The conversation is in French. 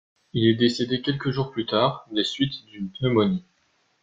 Il est décédé quelques jours plus tard des suites d’une pneumonie.